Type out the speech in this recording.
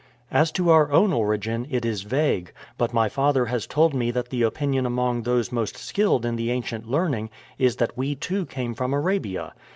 "As to our own origin, it is vague; but my father has told me that the opinion among those most skilled in the ancient learning is that we too came from Arabia.